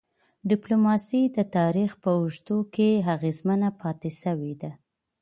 ډيپلوماسي د تاریخ په اوږدو کي اغېزمنه پاتې سوی ده.